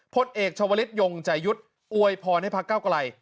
พลเอกชาวลิศยงใจยุทธ์อวยพรให้พักเก้าไกล